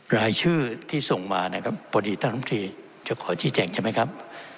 รายชื่อที่ส่งมานะครับพอดีท่านท่านท่านท่านท่านท่านท่านท่านจะขอชี้แจงใช่ไหมครับ